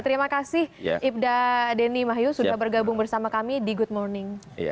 terima kasih ibda deni mahyu sudah bergabung bersama kami di good morning